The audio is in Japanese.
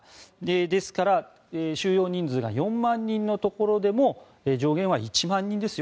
ですから収容人数が４万人のところでも上限は１万人ですよ。